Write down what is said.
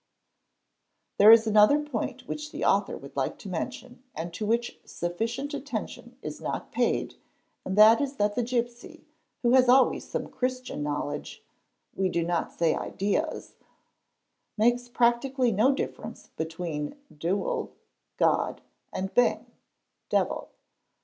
There is another point which the author would like to mention and ~ to which sufficient attention is not paid and that is that the gipsy, who © has always some Christian knowledge (we do not say ideas), makes prac tically no difference between dewel (god) and beng (devil).